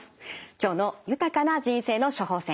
今日の「豊かな人生の処方せん」